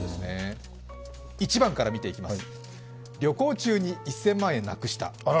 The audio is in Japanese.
１番から見ていきます。